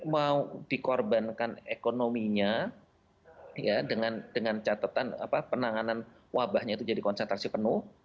mau dikorbankan ekonominya dengan catatan penanganan wabahnya itu jadi konsentrasi penuh